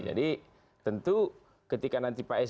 jadi tentu ketika nanti kita berkomunikasi